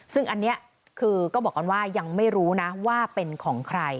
ซึ่งอันนี้คือก็บอกกันว่ายังไม่รู้นะว่าเป็นของใคร